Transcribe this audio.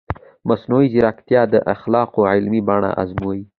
مصنوعي ځیرکتیا د اخلاقو عملي بڼه ازموي.